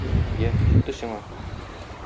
Йә, җитте сиңа!